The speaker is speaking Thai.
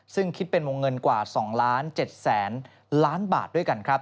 ซึ่งคิดเป็นวงเงินกว่า๒๗ล้านบาทด้วยกัน